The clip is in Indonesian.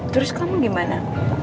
terus kamu gimana